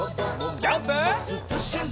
ジャンプ！